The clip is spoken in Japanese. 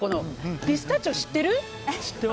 ピスタチオ知ってる？